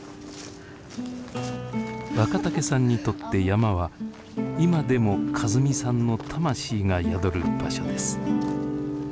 若竹さんにとって山は今でも和美さんの魂が宿る場所です。